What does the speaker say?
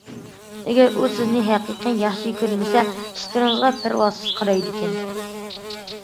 ئەگەر ئۇ سىزنى ھەقىقىي ياخشى كۆرمىسە، ئىشلىرىڭىزغا پەرۋاسىز قارايدىكەن.